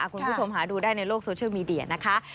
คุณผู้ชมหาดูได้ในโลกโซเชียลมีเดียนะคะ